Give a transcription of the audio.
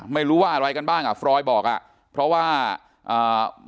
ไม่รู้ว่าอะไรกันบ้างอ่ะฟรอยบอกอ่ะเพราะว่าอ่า